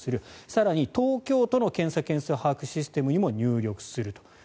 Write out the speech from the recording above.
更に、東京都の検査件数把握システムにも入力すると。